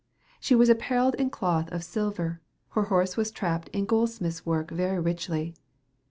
She was appeareilled in cloth of siluer, her horse was trapped in goldsmythes work very rychly.